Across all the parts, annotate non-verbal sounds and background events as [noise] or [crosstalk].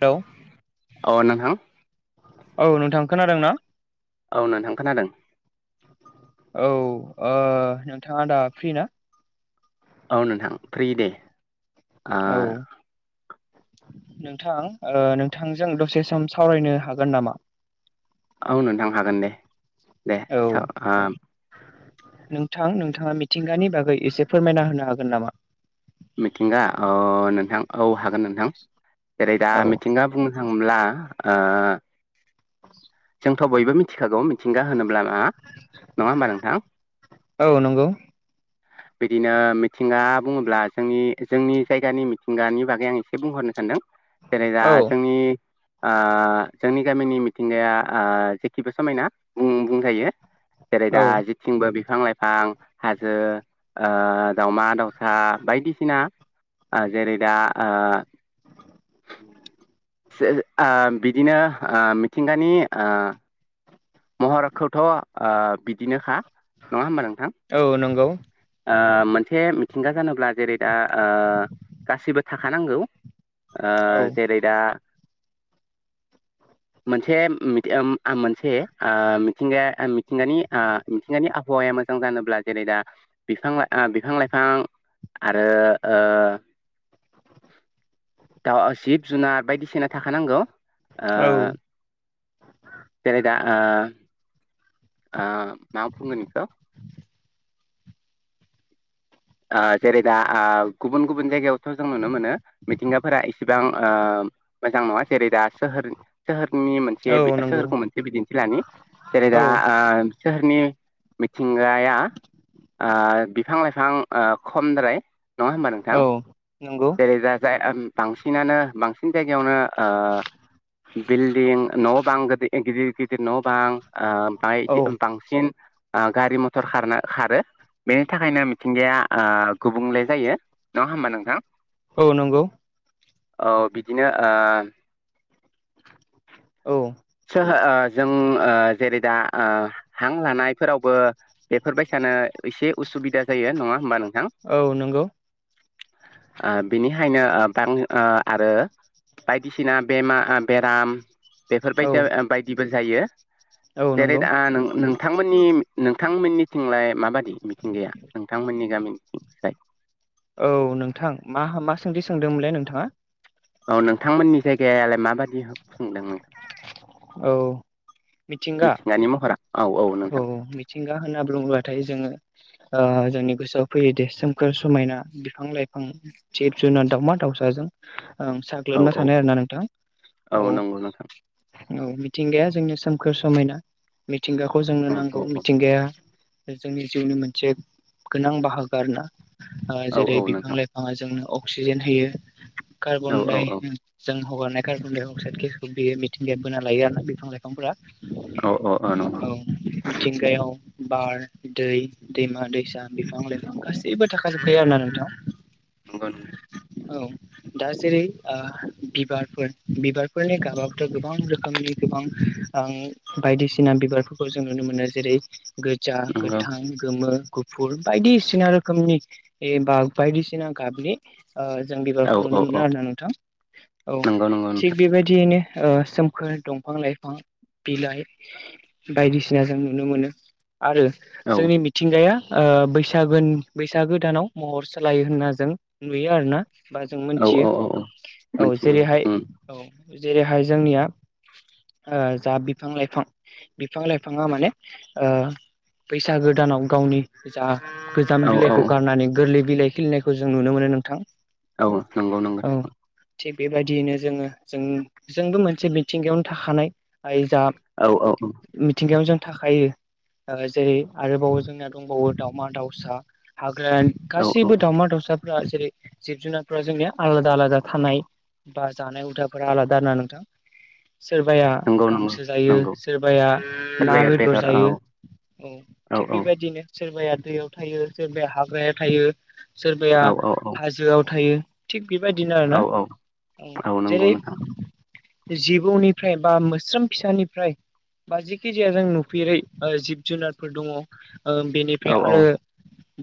लौ औ नोंथां औ नोंथां खोनादों ना औ नोंथां खोनादों औ नोंथाङा दा फ्रि ना औ नोंथां फ्रि दे आ औ नोंथां नोंथांजों दसे सम सावरायनो हागोन नामा औ नोंथां हागोन दे दे औ स नोंथां नोंथाङा मिथिंगानि बागै एसे फोरमायना होनो हागोन नामा मिथिंगा ओ नोंथां औ हागोन नोंथां जेरै दा औ मिथिंगा बुंनो थांब्ला ओ [unintelligible] बयबो मिथिखागौ मिथिंगा होनोब्ला मा नङा होमबा नोंथां औ नंगौ बिदिनो मिथिंगा बुङोब्ला जोंनि जोंनि जायगानि मिथिंगानि बागै आं एसे बुंहरनो सानदों जेरै दा औ जोंनि जोंनि गामिनि मिथिंगाया ओ जेखिबो समायना बुं बुंथायायो जेरै दा औ जि जेथिंबो बिफां लाइफां हाजो ओ दाउमा दाउसा बायदिसिना जेरै दा बिदिनो मिथिंगानि महरखौथ' बिदिनोखा नङा होमबा नोंथां औ नंगौ ओ मोनसे मिथिंगा जानोब्ला जेरै दा गासिबो थाखानांगौ ओ औ जेरै दा मोनसे आ मोनसे ओ मिथिंगाया मिथिंगानि मिथिंगानि आबहावाया मोजां जानोब्ला जेरै दा बिफां बिफां लाइफां आरो ओ दा जिब जुनार बायदिसिना थाखानांगौ औ जेरै दा ओ आ मा बुंगोन बेखौ ओ जेरै दा ओ गुबुन गुबुन जायगायावथ' जों नुनो मोनो मिथिंगाफोरा इसेबां मोजां नङा जेरै दा सोहोर सोहोरनि मोनसे औ मोनसे नंगौ सोरखौ मोनसे बिदिन्थि लानि जेरै औ दा सोहोरनि मिथिंगाया बिफां लाइफां ओ खमद्राय नङा होमबा नोंथां औ नंगौ जेरै दा जाय बांसिनानो बांसिन इन जायगायावनो बिल्डिं न' बां गिदिर गिदिर न' बां औ ओमफ्रायदि बांसिन गारि मटर खारनो खारो बेनि थाखायनो मिथिंगाया ओ गुबुंले जायो नङा होमबा नोंथां औ नंगौ औ बिदिनो औ सो जों जेरै दा हां लानायफोरावबो बेफोरबायसानो एसे उसुबिदा जायो नङा होमबा नोंथां औ [unintelligible] बिनिखायनो बां आरो बायदिसिना बेमार बेराम बेफोरबायदि औ बायदिबो जायो औ जेरै नंगौ नोंथांमोननि नोंथांमोननिथिंलाय माबादि मिथिंगैया नोंथांमोननि गामिनिथिं औ नोंथां मा मा सोंदि सोंदोंमोनलाय नोंथाङा औ नोंथांमोननि जायगायालाय माबायदि बुंदों नोंथां औ मिथिंगा मिथिंगानि महरा औ औ नोंथां मिथिंगा होनना बुङब्लााथाय जोङो जोंनि गोसोआव फैयो दे सोमखोर समायना बिफां लाइफां जिब जुनार दाउमा दाावसाजों आं औ साग्लोबना औ थानायानाय आरो ना नोंथां औ नंगौ नोंथां औ मिथिंगाया जोंनो सोमखोर समायना मिथिंगाखौ जोंनो औ नांगौ औ मिथिंगाया जोंनि जिउनि मोनसे गोनां बाहागो आर ना ओ औ जेरै औ बिफां नोंथां लाइफाङा जोंनो अक्सिजेन होयो औ औ कार्बनडाइ जों हगारनाय कार्बन डाइ अक्साइड गेसखौ बियो मिथिंगाया बोना लायो आरोना बिफां लाइफांफोरा औ औ औ नंगौ। मिथिंगायाव बार दै दैमा दैसा बिफां लाइफां गासैबो थाखाजोबखायो आरोना नोंथां। [unintelligible] औ दा जेरै ओ बिबारफोर बिबार फोरनि गाबथ' गोबां रोखोमनि गोबां आं बायदिसिना बिबारफोरखौ जों नुनो मोनो जेरै गोजा नंगौ गोथां गोमो फुल बायदिसिना रोखोमनि ए बाग बायदिसिना गाबनि ओ जों औ बिबारखौ औ नुनो मोनो औ आरोना नोंथां औ। नंगौ नंगौ थिग नोंथां बेबायदियैनो ओ सोमखोर दंफां लाइफां बिलाइ। बायदिसिना जों नुनो मोनो आरो औ जोंनि थिंगाया ओ बैसागो बैसागो दानाव महर सालायो होनना जों नुयो आरो ना। बा जों औ मोनथियो औ औ औ मिथिगौ जेरैहाय उम औ जेरैहाय जोंनिया ओ जा बिफां लाइफां बिफां लाइफाङा माने ओ बैसागो दानाव गावनि जा गोजाम औ औ बिलाइखौ गारनानै गोरलै बिलाइ खिलिनायखौ जों नुनो मोनो नोंथां। औ नंगौ नंगौ। औ थिग बेबायदियैनो जोङो जों जोंबो मोनसे मिथिंगायावनो थाखानाइ [unintelligible] औ औ औ। मिथिंगायाव जों थाखायो। जेरै आरोबावो जोंनिया दंबावो दावमा दाउसा हाग्रानि औ औ गासैबो दावमा दाउसा फोरा जेरै जिब जुनारफोरा जोंनि आलादा आलादा थानाय बा जानाय हुदा फोरा आलादा ना नोंथां। सोरबाया नंगौ नंगौ गांसो जायो नंगौ सोरबाया ना सोरबाया बेदर औ जायो। औ थिग बेबायदिनो सोरबाया दैयाव थायो सोरबाया हाग्राया थायो सोरबाया औ औ हाजोआव थायो। थिग बेबायदिनो आरो ना औ औ औ नंगौ जेरै नोंथां जिबौनिफ्राय बा मोस्रोम फिसानिफ्राय बा जिखि जाया जों नुफेरै ओ जिब जुनारफोर दङ ओ औ बेनिफ्राय औ आरो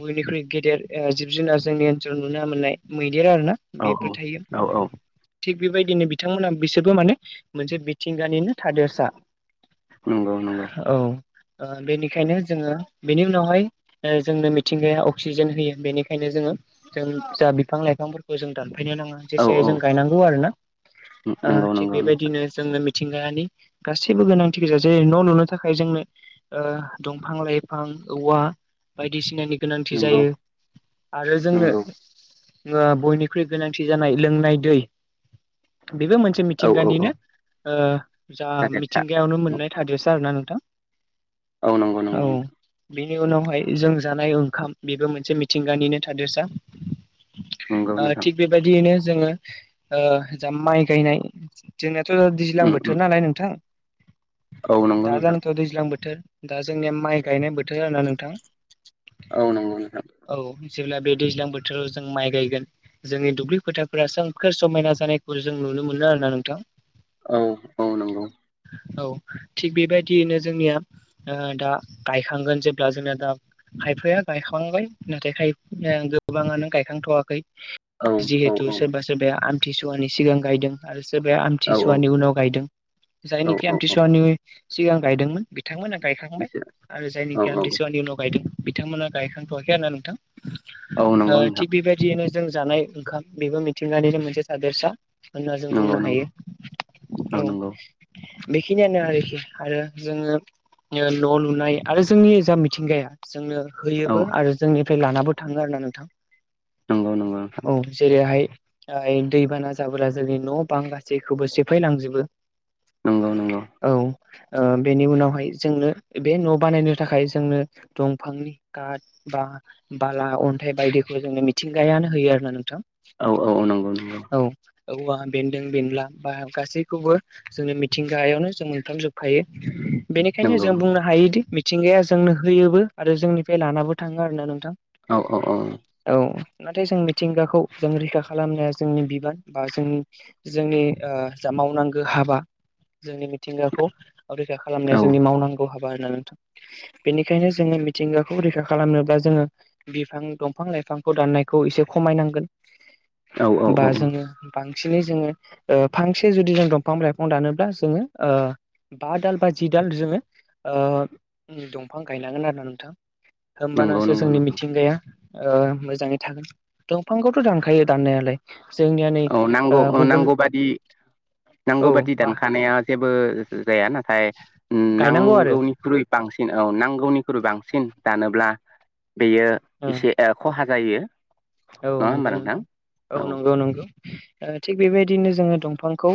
बयनिख्रुइ गेदेर ओ जिब जुनार जोंनि ओनसोलाव नुनो मोननाय मैदेर आरो ना। औ बेफोर थायो औ औ थिग बेबायदिनो बिथांमोनहा बिसोरबो माने मोनसे मिथिंगानिनो थादेरसा। नंगौ नंगौ। औ ओ बेनिखायनो जोङो बेनि उनावहाय ओ जोंनो मिथिंगाया अक्सिजेन होयो बेनिखायनो जोङो जों जा बिफां लाइफांफोरखौ जों दानफायनो नाङा। औ जेसे हायो औ जों गायनांगौ आरो ना ओ नंगौ थिग नंगौ बेबायदिनो जोंनो मिथिंगायानि गासैबो गोनांथि गोजा जेरै न' लुनो थाखाय जोंनो ओ दंफां लाइफां औवा बायदिसिनानि गोनांथि नंगौ जायो आरो जोंनो नंगौ ओ बयनिख्रुइ गोनांथि जानाय लोंनाय दै। बेबो मोनसे औ औ औ मिथिंगानिनो ओ जा थादेरसा मिथिंगायावनो मोननाय। थादेरसा आरो ना औ नंगौ नोंथां नंगौ औ। बिनि उनावहाय जों जानाय ओंखाम बेबो मोनसे मिथिंगानिनो थादेरसा। नंगौ ओ नोंथां थिग बेबायदियैनो जोङो ओ जा माइ गायनाय जोंनियाथ' दैज्लां उम बोथोर उम नालाय नोंथां औ नंगौ दा नोंथां [unintelligible] दैज्लां बोथोर दा जोंनिया माइ गायनाय बोथोर आरोना नोंथां। औ नंगौ नोंथां। औ जेब्ला बे दैज्लां बोथोराव जों माइ गायगोन। जोंनि दुब्लि फोथारफोरा सोंखोर समायना जानायखौ जों नुनो मोनो आरोना नोंथां। औ औ नंगौ औ थिग बेबायदियैनो जोंनिया दा दा गायखांनानै जेब्ला दा खायफाया गायखांबाय नाथाय खायफा गोबाङानो गायखांथ'वाखै। औ औ जिहेथु सोरबा सोरबाया आमथिसुवानि सिगां गायदों। आरो सोरबाया औ आमथिसुवानि उनाव गायदों औ जायनिखि औ औ आमथिसुवानि सिगां गायदोंमोन बिथांमोना गायखांबाय बिसोर आरो औ जायनिखि औ आमथिसुवानि उनाव गायदों बिथांमोना गायखांथ'वाखै आरो ना नोंथां। औ नंगौ ओ नोंथां थिग बेबायदियैनो जों जानाय ओंखाम बेबो मिथिंगानिनो मोनसे थादेरसा। होनना जों नंगौ बुंनो नंगौ हायो औ बेखिनियानो आरोखि आरो जोंङो ओ न' लुनाय आरो जोंनि जा मिथिंगाया जोंनो औ होयोबो आरो जोंनिफ्राय लानाबो थांङो आरो ना नोंथां। नंगौ नंगौ औ नोंथां। जेरैहाय दैबाना जाबोला जोंनि न' बां गासैखौबो सेफायलांजोबो। नंगौ नंगौ औ ओ बेनि उनावहाय जोंनो बे न' बानायनो थाखाय जोंनो दंफांनि काद बा बाला, अन्थाइ बायदिखौ जोंनो मिथिंगायानो होयो आरो ना नोंथां। औ औ औ नंगौ। नंगौ औ औवा बेन्दों बेनला बा गासैखौबो जोंनो मिथिंगायावनो जों मोनफ्राम जोबखायो। बेनिखायनो नंगौ जों नंगौ बुंनो हायोदि मिथिंगाया जोंनो होयोबो आरो जोंनिफ्राय लानाबो थाङो आरोना नोंथां। औ औ औ औ नाथाय जों मिथिंगाखौ जों रैखा खालामनाया जोंनि बिबान बा जोंनि जोंनि ओ जा मावनांगौ हाबा जोंनि मिथिंगाखौ रैखा औ खालामनाया जोंनि मावनांगौ हाबा होनना नोंथां बेनिखायनो जोंङो मिथिंगाखौ रैखा खालामनोब्ला जोंङो बिफां दंफां लाइफांखौ दाननायखौ एसे खमायनांगोन बा औ औ जोंङो बांसिनै जोंङो ओ फांसे जुदि जों दंफां लाइफां दानोब्ला जोंङो ओ बा दाल बा जि दाल जोंङो ओ दंफां गायनांगोन आरो ना नोंथां। नंगौ होमबानासो नंगौ जोंनि नोंथां मिथिंगाया ओ मोजाङै थागोन दंफांखौथ' दानखायो दाननायालाय जोंनियानो औ नांगौ-नांगौबादि औ नांगौ बादि बा दानखानाया जेबो जाया नाथाय ओ गायनांगौ आरो नांगौनि निख्रुइ बांसिन औ नांगौनिख्रुइ बांसिन दानोब्ला बेयो एसे ओ खहा जायो। औ नङा होमबा नंगौ नोंथां औ नंगौ-नंगौ ओ थिग बेबायदिनो जोंङो दंफांखौ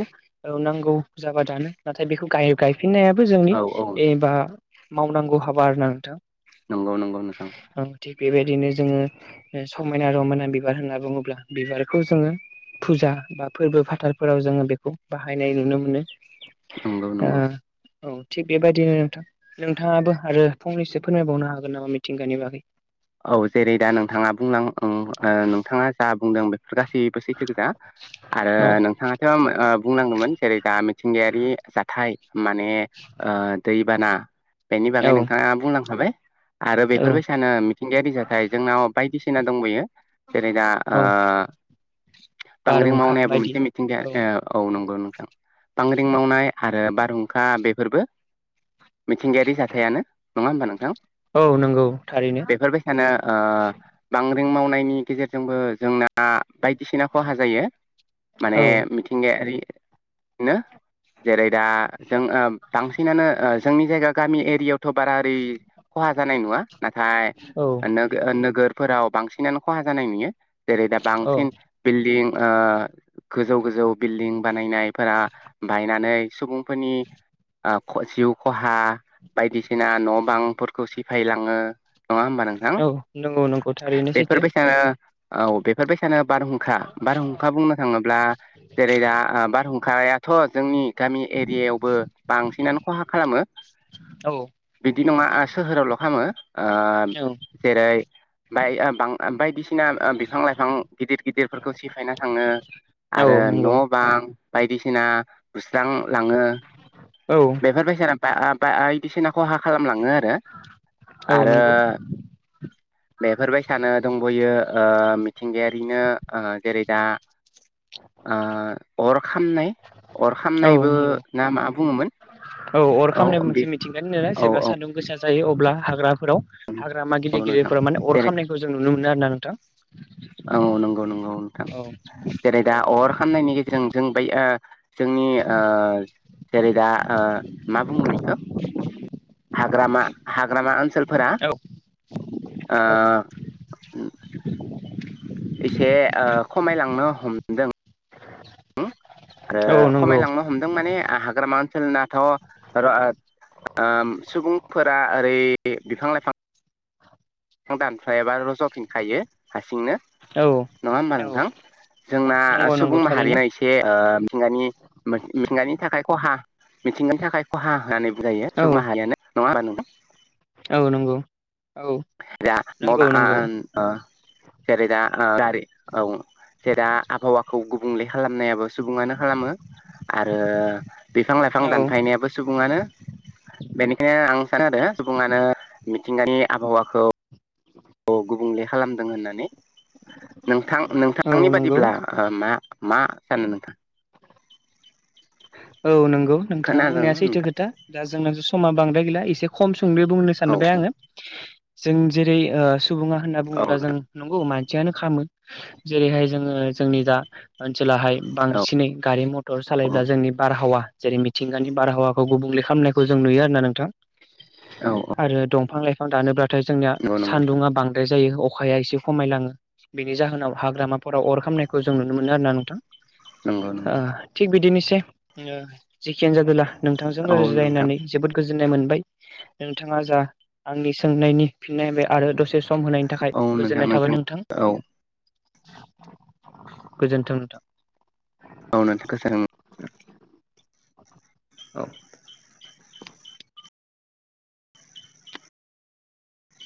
नांगौ जाबादानो नाथाय बेखौ गाय गायफिननायाबो जोंनि औ औ एबा मावनांगौ हाबा आरोना नोंथां। नंगौ-नंगौ नोंथां। थिग बेबायदिनो जोङो समायना रमायना बिबार होनना बुङोब्ला बिबारखौ जोंङो फुजा बा फोरबो फाथालफोराव जोङो बेखौ बाहायनाय नुनो मोनो। नंगौ नंगौ औ थिग बेबायदिनो नोंथां नोंथाङाबो आरो फंनैसो फोरमायबावनो हागोन नामा मिथिंगानि बागै? औ जेरै दा नोंथाङा बुंलां ओं ओ नोंथाङा जा बुंदों बेफोर गासै बु [unintelligible] आरो औ नोंथाङाथ' ओ बुंलांदोंमोन जेरै दा मिथिंगायारि जाथि थाय माने ओ दैबाना बेनि बागै औ नोंथाङा बुंलांखाबाय। आरो औ बेफोरबायसानो मिथिंगायारि जाथाय जोंनाव बायदिसिना दंबोयो। जेरै दा औ ओ बानग्रिं बारहुंखा मावनायाबो बायदि मोनसे औ मिथिंगाया औ नंगौ नोंथां बांग्रिं मावनाय आरो बारहुंखा बेफोरबो मिथिंगायारि जाथायानो नङा होमबा नोंथां औ नंगौ थारैनो बेफोरबायसानोओ बांग्रिं मावनायनि गेजेरजोंबो जोंना बायदिसिना खहा जायो माने औ मिथिंगायारि बिदिनो जेरै दा जों ओ बांसिनानो ओ जोंनि जायगा गामि एरियावथ' बारा ओरै खहा जानाय नङा नाथाय औ नो नोगोरफोराव बांसिनानो खहा जानाय नुयो जेरै दा औ बांसिन बिल्डिं ओ गोजौ गोजौ बिल्डिं बानायनायफोरा बायनानै सुबुं फोरनि ओ जिउ खहा बायदिसिना न' बांफोरखौ सिफायलाङो नङा होमबा नों थां औ नंगौ नंगौ थारैनो सैथो बेफोरबायसानो औ बेफोरबायसानो बारहुंखा बारहुंखा बुंनो थाङोब्ला जेरै दा बारहुंखायाथ' जोंनि गामि एरिया आवबो बांसिनानो खहा खालामो औ बिदि नङा सोहोरावल' खालामो औ जेरै बां बायदिसिना बिफां लाइफां गिदिर गिदिरफोरखौ सिफायना थाङो औ आरो नंगौ न' बां बायदिसिना बुस्रांलाङो औ बेफोरबायसानो बाय - बायदिसिना खहा खालामलाङो आरो [inaudible] औ आरो नंगौ [inaudible] बेफोरबायसानो दंबयो मिथिंगायारिनो जेरै दा ओ अर खामनाय अर औ खामनायबो नंगौ ना मा बुङोमोन औ अर खामनाय मोनसे मिथिंगानि नो औ जेब्ला औ सान्दुं गोसा जायो अब्ला हाग्राफोराव हाग्रामा नंगौ नोंथां गिदिर-गिदिरफोरा माने अर जेरै खामनायखौ जों नुनो मोनो आरो ना नोंथां औ नंगौ नंगौ नोंथां। औ जेरै दा औ अर खालामनायनि गेजेरजों जों बै ओ जोंनि ओ जेरै दा ओ मा बुंगोन बेखौ हाग्रामा हाग्रामा ओनसोलफोरा ओ औ एसे ओ खमायलांनो हमदों औ औ आरो नंगौ खमायलांनो हमदों माने हाग्रामा ओनसोलनाथ' ओ सुबुंफोरा ओरै बिफां लाइफां दानफायाबा एबा रज' खायो हारसिंनो औ नङा होमबा औ नोंथां जोंना नंगौ सुबुं नंगौ थारैनो माहारिया एसे ओ मिथिंगानि मिथिंगानि थाखाय खहा मिथिंगानि थाखाय खहा होनानै बुंजायो औ सुबुं माहारियानो नङा बा औ नंगौ औ नंगौ नंगौ [unintelligible] औ जेरै दा आबहावाखौ गुबुंले खालामनायाबो सुबुङानो खालामो आरो बिफां लाइफां औ दानफायनायाबो सुबुङानो बेनिखायनो आं सानो आरो सुबुङानो मिथिंगानि आबहावाखौ औ गुबुंले खालामदों होननानै नोंथां औ नोंथांनि नंगौ बादिब्ला ना मा होन औ नंगौ नोंथाङा खोनादों बुंनाया सैथो नोंथां खोथा। दाजोंना समा बांद्राय गैला एसे खम समनि बुंनो औ सानबाय आङो जों जेरै सुबुङा होनना बुङोब्ला जों औ नंगौ मानसियानो खामो जेरैहाय जोङो जोंनि दा ओनसोलावहाय बांसिनै गारि मथर औ सालायब्ला जोंनि हावा जेरै मिथिंगानि बारहावाखौ गुबुंले खालामनायखौ जों नुयो आरोोना नोंथां। औ औ। आरो दंफां लाइफां दानोब्लाथाय जोंनिया नंगौ नंगौ नोंथां सान्दुङा बांद्राय जायो अखाया एसे खमायलाङो बेनि जाहोनाव हाग्रामाफोराव अर खामनायखौ जों नुनो मोनो आरोना नोंथां। नंगौ नंगौ थिग बिदिनोसै जेखियानो जादोला नोंथांजों औ नोंथां रायज्लायनानै जोबोद गोजोननाय मोनबाय नोंथाङा जा आंनि सोंनायनि फिननायाय आरो दसे स सम होनायनि थाखाय औ नोंथां गोजोननाय थाबाय नोंथां औ गोजोन्थों नोंथां। [unintelligible] औ।